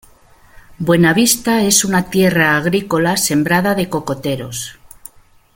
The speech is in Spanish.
Buenavista es una tierra agrícola sembrada de cocoteros.